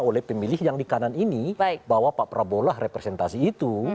oleh pemilih yang di kanan ini bahwa pak prabowo lah representasi itu